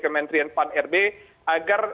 kementerian pan rb agar